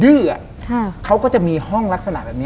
คุณลุงกับคุณป้าสองคนนี้เป็นใคร